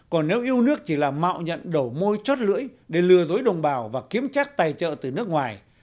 còn nếu yêu nước chỉ là mạo nhận đầu môi chót lưỡi để lừa dối đồng bào và kiếm trác tài trợ từ nước ngoài